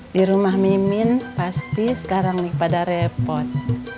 di rumah mimin pasti sekarang pada repot